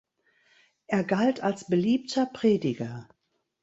Er galt als beliebter Prediger.